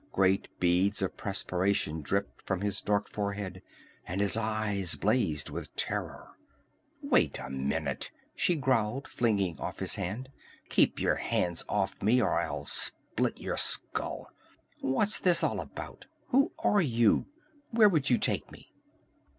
Great beads of perspiration dripped from his dark forehead, and his eyes blazed with terror. "Wait a minute!" she growled, flinging off his hand. "Keep your hands off me, or I'll split your skull. What's all this about? Who are you? Where would you take me?"